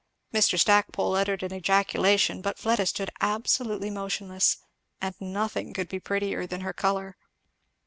Mr. Stackpole uttered an ejaculation, but Fleda stood absolutely motionless, and nothing could be prettier than her colour.